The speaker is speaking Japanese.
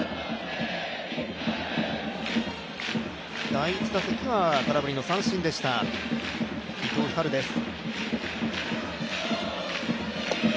第１打席は空振りの三振でした伊藤光です。